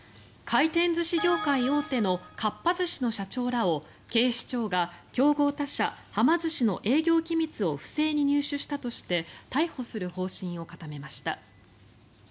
回転寿司業界大手のかっぱ寿司の社長らを警視庁が競合他社、はま寿司の営業機密を不正に入手したとして逮捕する方針を固めました。